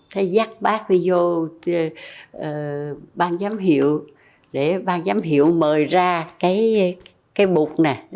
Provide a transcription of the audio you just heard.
thế dắt bác đi vô ban giám hiệu để ban giám hiệu mời ra cái bụt này